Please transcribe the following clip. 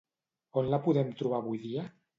On la podem trobar avui dia?